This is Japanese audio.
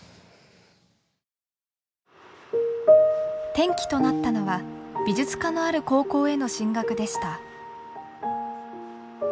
転機となったのは美術科のある高校への進学でした。